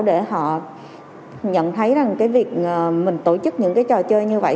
để họ nhận thấy rằng cái việc mình tổ chức những cái trò chơi như vậy